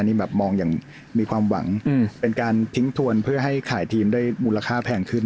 นี่แบบมองอย่างมีความหวังเป็นการทิ้งทวนเพื่อให้ขายทีมได้มูลค่าแพงขึ้น